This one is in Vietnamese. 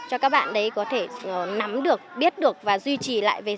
cho các bạn đấy có thể nắm được biết được và duy trì lại về